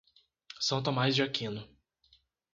São Tomás de Aquino